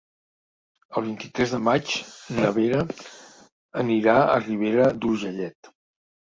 El vint-i-tres de maig na Vera anirà a Ribera d'Urgellet.